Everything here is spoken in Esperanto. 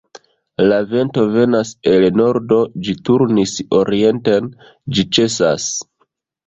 La vento venas el nordo; ĝi turnis orienten, ĝi ĉesas.